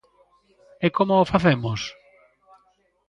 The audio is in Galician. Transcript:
E como o facemos?